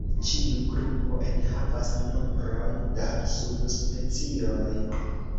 Ĉiu grupo enhavas nombron da subspecioj.